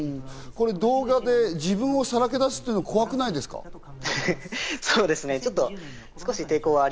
動画で自分をさらけ出すのは怖くないですか？